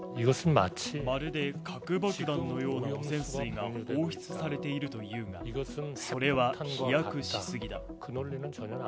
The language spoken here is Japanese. まるで核爆弾のような汚染水が放出されているというが、それは飛躍しすぎだ。